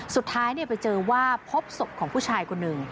สุดท้ายไปเจอว่าพบศพของผู้ชายคนหนึ่ง